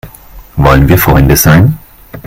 Wollen wir Freunde sein?